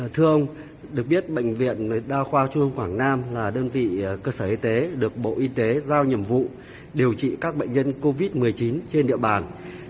thưa ông được biết bệnh viện đa khoa trung ương quảng nam là đơn vị cơ sở y tế được bộ y tế giao nhiệm vụ điều trị các bệnh nhân covid một mươi chín trên địa bàn